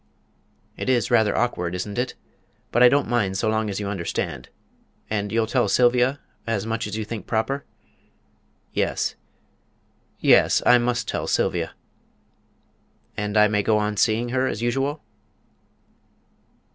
"It's rather awkward, isn't it? But I don't mind so long as you understand. And you'll tell Sylvia as much as you think proper?" "Yes yes; I must tell Sylvia." "And I may go on seeing her as usual?"